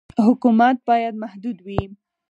حکومت باید محدود وي.